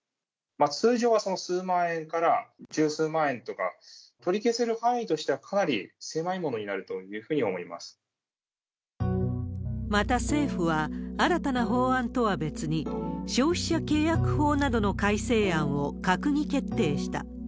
通常は数万円から十数万円とか、取り消せる範囲としてはかなり狭いものになるというふうに思いままた政府は、新たな法案とは別に、消費者契約法などの改正案を閣議決定した。